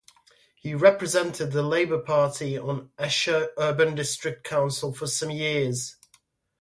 He represented the Labour Party on Esher Urban District Council for some years.